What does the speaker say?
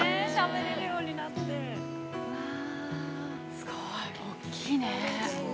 すごい、大きいね。